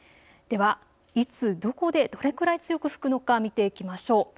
では、いつどこでどれくらい強く吹くのか見ていきましょう。